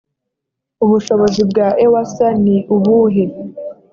ubushobozi bwa ewsa ni ubuhe